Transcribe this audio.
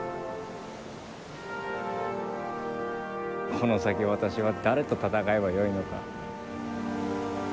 この先私は誰と戦えばよいのか。